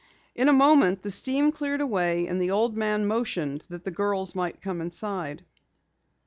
In a moment the steam cleared away, and the old man motioned that the girls might come inside.